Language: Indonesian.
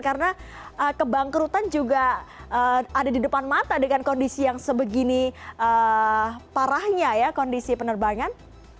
karena kebangkrutan juga ada di depan mata dengan kondisi yang sebegini parahnya ya kondisi penerbangan